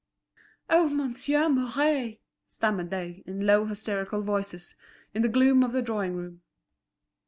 "Oh, Monsieur Mouret!" stammered they, in low, hysterical voices, in the gloom of the drawing room.